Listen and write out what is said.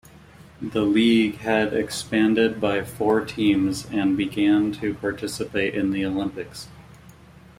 The league had expanded by four teams and began to participate in the Olympics.